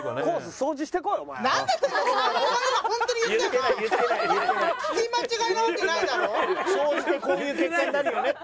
総じてこういう結果になるよね。